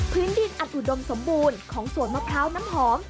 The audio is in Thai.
พื้นดินอันอุดมสมบูรณ์ของสวนมะพร้าวน้ำหอม